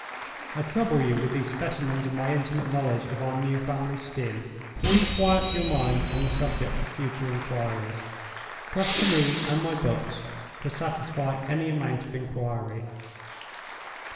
I trouble you with these specimens of my intimate knowledge of our new family Skin, to quiet your mind on the subject of future inquiries. Trust to me and my books to satisfy any amount of inquiry.